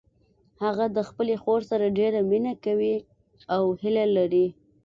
هغه د خپلې خور سره ډیره مینه کوي او هیله لري